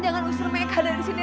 jangan user mereka dari sini